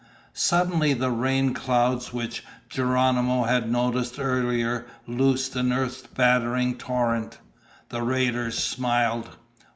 Suddenly the rain clouds which Geronimo had noticed earlier loosed an earth battering torrent. The raiders smiled.